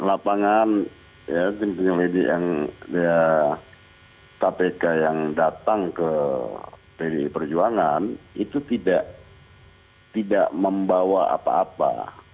lapangan tim penyelidik yang kpk yang datang ke pdi perjuangan itu tidak membawa apa apa